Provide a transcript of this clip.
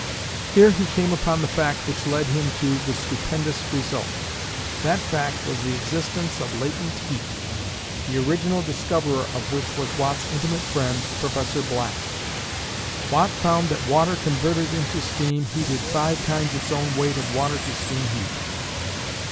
Here he came upon the fact which led him to the stupendous result. That fact was the existence of latent heat, the original discoverer of which was Watt's intimate friend, Professor Black. Watt found that water converted into steam heated five times its own weight of water to steam heat.